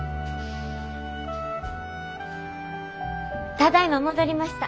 ただいま戻りました。